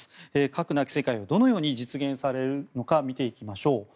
核なき世界をどのように実現されるのか見ていきましょう。